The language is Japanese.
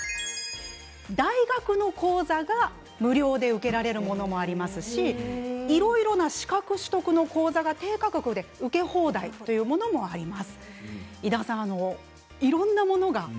大学の講座が、無料で受けられるものもありますしいろいろな資格取得に向けた講座が低価格で受け放題というものもあります。